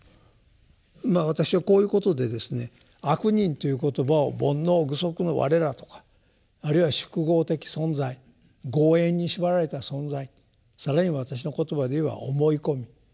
まあ私はこういうことでですね「悪人」という言葉を煩悩具足のわれらとかあるいは宿業的存在業縁に縛られた存在更に私の言葉で言えば思い込み。